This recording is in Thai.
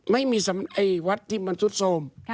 ไม่มีวัดที่มันซุดโทรม